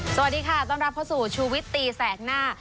สวัสดีค่ะต้อนรับเข้าสู่ชูวิตตีแสกหน้า